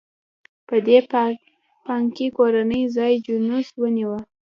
په دې بانکي کورنۍ ځای جینوس ونیوه.